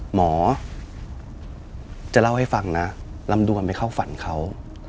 หมอจะเล่าให้ฟังนะลำดวนไปเข้าฝันเขา